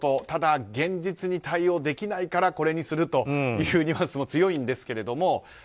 ただ、現実に対応できないからこれにするというニュアンスも強いんですけども。